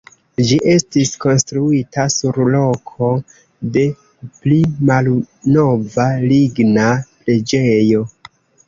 Ĝi estis konstruita sur loko de pli malnova ligna preĝejo.